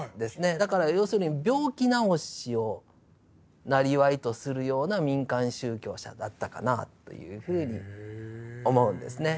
だから要するに病気治しをなりわいとするような民間宗教者だったかなというふうに思うんですね。